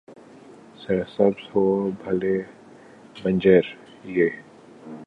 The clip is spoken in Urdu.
سر سبز ہو، بھلے بنجر، یہ